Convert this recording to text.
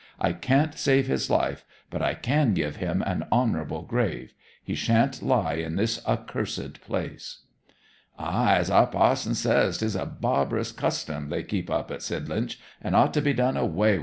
I can't save his life, but I can give him an honourable grave. He shan't lie in this accursed place!' 'Ay, as our pa'son says, 'tis a barbarous custom they keep up at Sidlinch, and ought to be done away wi'.